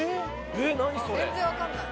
全然わかんない。